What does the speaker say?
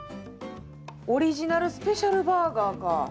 オリジナルスペシャルバーガーか。